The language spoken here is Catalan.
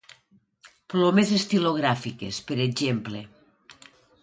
Plomes estilogràfiques, per exemple.